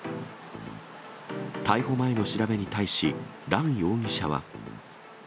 逮捕前の調べに対し、ラン容疑者は。